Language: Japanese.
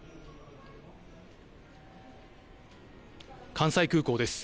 関西空港です。